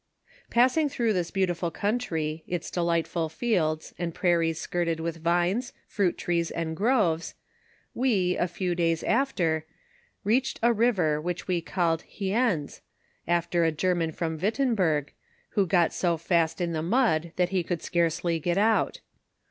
Passing through this beautiful country, its delightful fields, and prairies skirted with \ ines, fruit trees, and groves, we, a few days after, reached a river which we called Hiens, after a German from Wittemburg, who got so fast in the mud that he could scarcely get out.